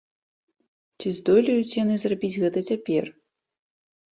Ці здолеюць яны зрабіць гэта цяпер?